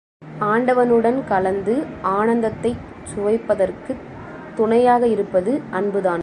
ஆண்டவனுடன் கலந்து ஆனந்தத்தைச் சுவைப்பதற்குத் துணையாக இருப்பது அன்புதான்.